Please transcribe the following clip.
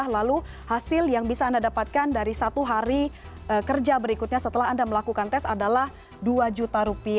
lalu hasil yang bisa anda dapatkan dari satu hari kerja berikutnya setelah anda melakukan tes adalah rp dua